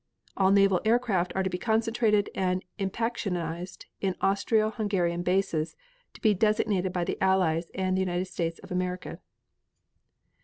All naval aircraft are to be concentrated and impactionized in Austro Hungarian bases to be designated by the Allies and United States of America.